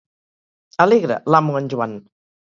Alegre, l'amo en Joan!